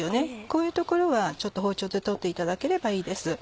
こういう所はちょっと包丁で取っていただければいいです。